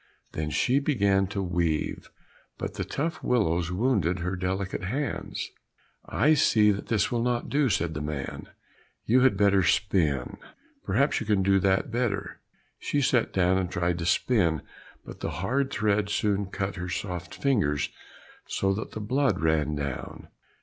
Then she began to weave, but the tough willows wounded her delicate hands. "I see that this will not do," said the man; "you had better spin, perhaps you can do that better." She sat down and tried to spin, but the hard thread soon cut her soft fingers so that the blood ran down.